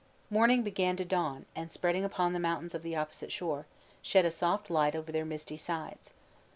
Morning began to dawn, and spreading upon the mountains of the opposite shore, shed a soft light over their misty sides.